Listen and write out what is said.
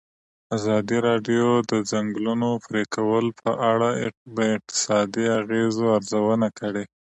ازادي راډیو د د ځنګلونو پرېکول په اړه د اقتصادي اغېزو ارزونه کړې.